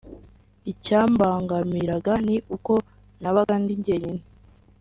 icyambangamiraga ni uko nabaga ndi njyenyine